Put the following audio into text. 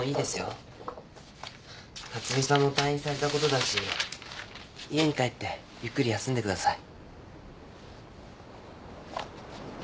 巽さんも退院されたことだし家に帰ってゆっくり休んでください。